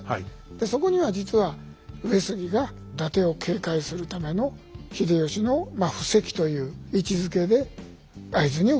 そこには実は上杉が伊達を警戒するための秀吉の布石という位置づけで会津に送られてきたという。